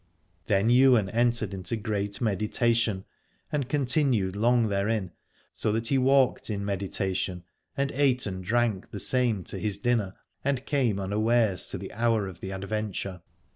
Then Ywain entered into great meditation and continued long therein, so that he walked in meditation and ate and drank the same to his dinner and came unawares to the hour of the adventure.